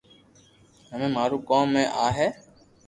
ھمي مارو ڪوم اي آ ھي